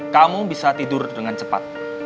kamu bisa tidur dengan cepat